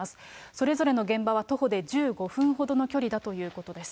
それぞれの現場は徒歩で１５分ほどの距離だということです。